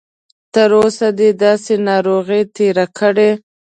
تر اوسه دې داسې ناروغي تېره کړې؟